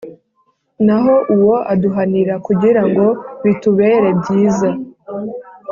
naho uwo aduhanira kugira ngo bitubere byiza,